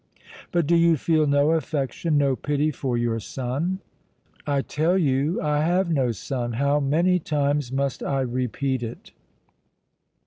"But do you feel no affection, no pity, for your son?" "I tell you I have no son! How many times must I repeat it!"